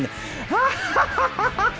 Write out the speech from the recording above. ハハハハ！